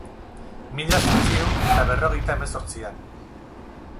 Mila zortziehun eta berrogeita hemezortzian.